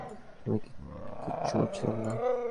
আমি কিচ্ছু করছিলাম না।